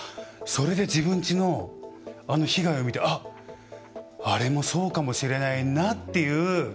それで自分の家の被害を見てあっ、あれもそうかもしれないなっていう。